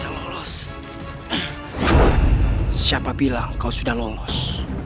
jangan mau di kosong boros